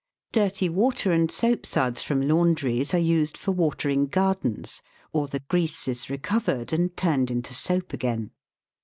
Dirty water and soapsuds from laundries are used for watering gardens, or the grease is recovered and turned into soap again.